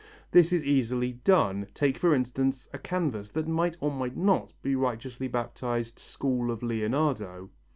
This is easily done; take for instance a canvas that might or might not be righteously baptized "School of Leonardo."